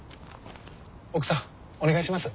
奥さんお願いします。